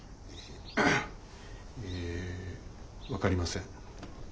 ええ分かりません。